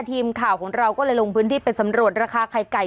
ทีมข่าวของเราก็เลยลงพื้นที่ไปสำรวจราคาไข่ไก่